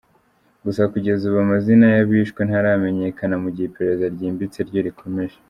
Gusa kugeza ubu amazina y’abishwe ntaramenyekana, mu gihe iperereza ryimbitse ryo rikomeje.